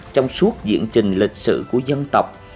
trong suốt diễn trình lịch sử của dân tộc